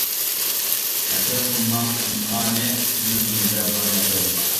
ھەسرەت قىلماڭ پىنھانى، قىزىل گۈلدە بار ھەسەل.